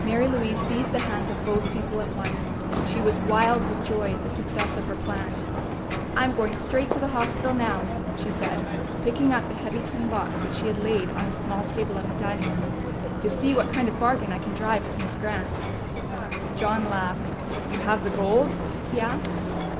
Mary Louise seized the hands of both people at once. She was wild with joy at the success of her plan. "I'm going straight to the hospital now," she said, picking up the heavy tin box which she had laid on a small table in the dining room, "to see what kind of bargain I can drive with Miss Grant!" John laughed. "You have the gold?" he asked.